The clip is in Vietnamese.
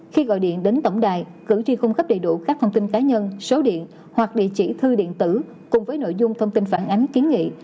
khi gọi điện đến tổng đài cử tri cung cấp đầy đủ các thông tin cá nhân số điện hoặc địa chỉ thư điện tử cùng với nội dung thông tin phản ánh kiến nghị